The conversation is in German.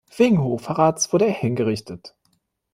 Wegen Hochverrats wurde er hingerichtet.